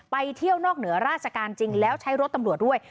ไปเที่ยวนอกเหนือราชการจริงแล้วใช้รถตำรวจด้วย